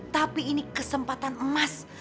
tapi ini kesempatan emas